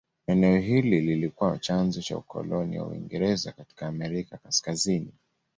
Eneo hili lilikuwa chanzo cha ukoloni wa Uingereza katika Amerika ya Kaskazini.